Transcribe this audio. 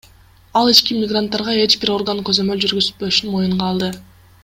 Ал ички мигранттарга эч бир орган көзөмөл жүргүзбөшүн моюнга алды.